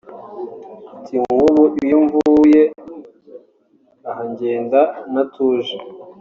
Ati” Nk’ubu iyo mvuye aha ngenda ntatuje